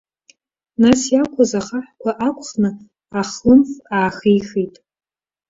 Нас иақәыз ахаҳәқәа ақәхны, ахлымв аахихит.